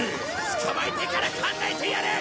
捕まえてから考えてやる！